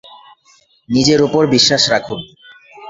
নিজের উপর বিশ্বাস রাখুন।